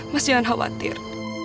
mas jangan khawatir